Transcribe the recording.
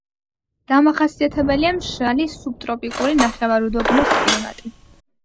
დამახასიათებელია მშრალი, სუბტროპიკული ნახევარუდაბნოს კლიმატი.